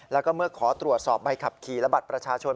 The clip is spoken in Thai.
แล้วก็เมื่อขอตรวจสอบใบขับขี่และบัตรประชาชน